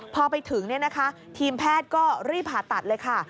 พอไปถึงทีมแพทย์ก็รีบผ่าตัดเลยค่ะ